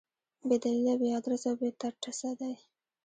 بې دلیله، بې ادرسه او بې ټسه دي.